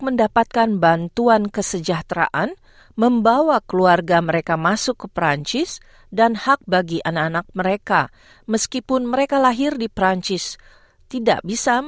kepala who tedros adhanom ghebreyesus menangis ketika meminta solusi politik